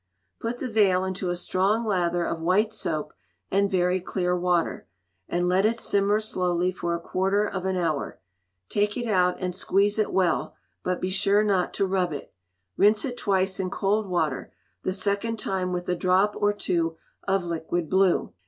Put the veil into a strong lather of white soap and very clear water, and let it simmer slowly for a quarter of an hour; take it out and squeeze it well, but be sure not to rub it: rinse it twice in cold water, the second time with a drop or two of liquid blue.